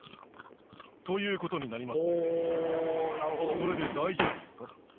それで大丈夫ですか？